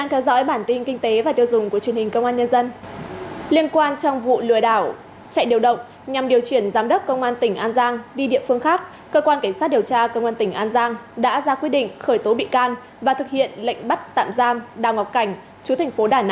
hãy đăng ký kênh để ủng hộ kênh của chúng mình nhé